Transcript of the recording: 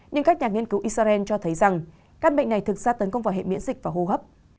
nhưng các nhà nghiên cứu israel cho thấy rằng căn bệnh này thực ra tấn công vào hệ miễn dịch và hô hấp